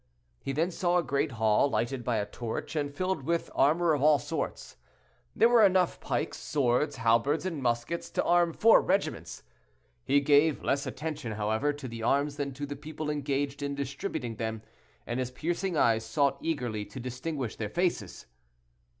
He then saw a great hall, lighted by a torch, and filled with armor of all sorts. There were enough pikes, swords, halberds, and muskets to arm four regiments. He gave less attention, however, to the arms than to the people engaged in distributing them, and his piercing eyes sought eagerly to distinguish their faces.